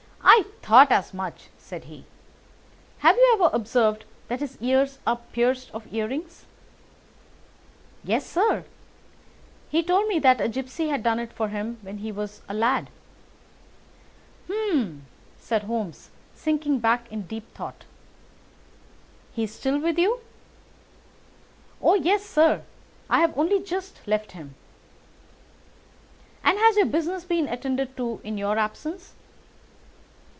"I thought as much," said he. "Have you ever observed that his ears are pierced for earrings?" "Yes, sir. He told me that a gipsy had done it for him when he was a lad." "Hum!" said Holmes, sinking back in deep thought. "He is still with you?" "Oh, yes, sir; I have only just left him." "And has your business been attended to in your absence?"